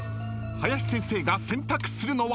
林先生が選択するのは？］